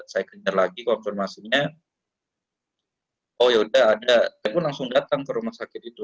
saya pun langsung datang ke rumah sakit itu